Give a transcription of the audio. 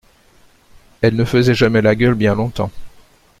Elle ne faisait jamais la gueule bien longtemps.